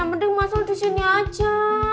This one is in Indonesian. mending mas al disini aja